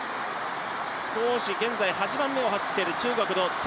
現在８番目を走っている中国の扎西